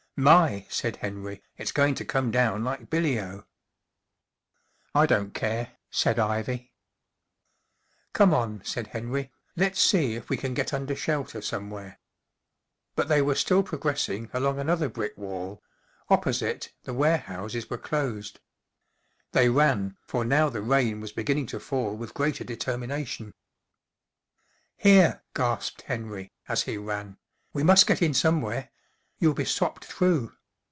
"My!“ said Henry, M it’s going to come down like billy oh I ” M I don't care/* said Ivy* " Come on/ J said Henry, f< let's see if we can get under shelter somewhere/’ But they were still progressing along another brick wall; opposite, the warehouses were closed* They ran, for now the rain was beginning to fall with greater determination. " Here/' gasped Henry, as he ran, 11 we must get in somewhere; you'll be sopped through.